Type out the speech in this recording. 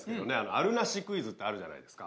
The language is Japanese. あるなしクイズってあるじゃないですか。